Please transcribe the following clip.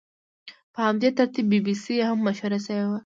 په همدې ترتیب بي بي سي هم مشهوره شوې وه.